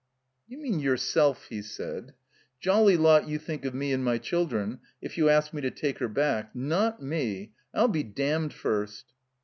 "You mean yourself," he said. "Jolly lot you think of me and my children if you ask me to take her back. Not me! I'll be damned first."